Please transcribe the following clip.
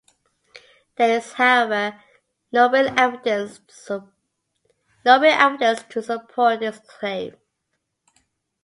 There is, however, no real evidence to support this claim.